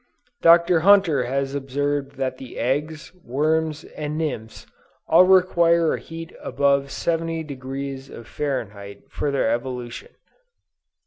Dr. Hunter has observed that the eggs, worms and nymphs all require a heat above 70° of Fahrenheit for their evolution."